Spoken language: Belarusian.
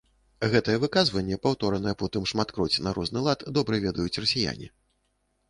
Гэтае выказванне, паўторанае потым шматкроць на розны лад, добра ведаюць расіяне.